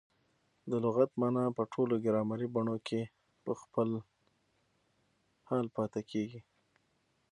د لغت مانا په ټولو ګرامري بڼو کښي په خپل حال پاته کیږي.